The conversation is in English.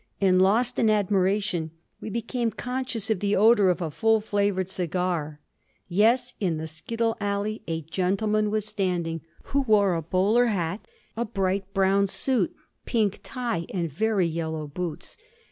And, lost in admiration, we became conscious of the odour of a full flavoured cigar. Yes—in the skittle alley a gentleman was standing who wore a bowler hat, a bright brown suit, pink tie, and very yellow boots.